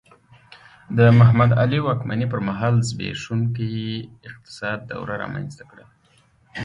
د محمد علي واکمنۍ پر مهال زبېښونکي اقتصاد دوره رامنځته کړه.